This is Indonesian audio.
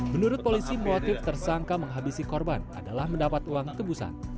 menurut polisi motif tersangka menghabisi korban adalah mendapat uang tebusan